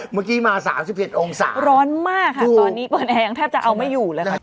เมื่อกี้มา๓๑องศาร้อนมากค่ะตอนนี้เปิดแฮงแทบจะเอาไม่อยู่เลยค่ะ